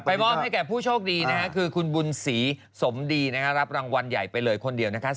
แล้วก็ให้แก่ผู้โชคดีคือคุณบุญศรีสมดีรับรางวัลใหญ่ไปเลยคนเดียว